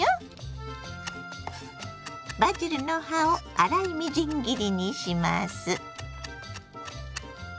バジルの葉を粗いみじん切りにします。